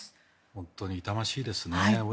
本当に痛ましいですね。